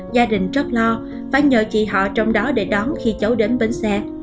gia đình rất lo phải nhờ chị họ trong đó để đón khi cháu đến bến xe